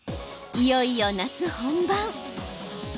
いよいよ夏本番。